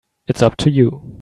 It's up to you.